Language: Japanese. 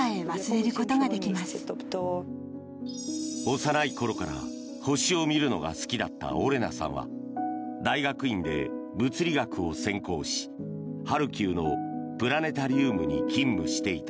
幼い頃から星を見るのが好きだったオレナさんは大学院で物理学を専攻しハルキウのプラネタリウムに勤務していた。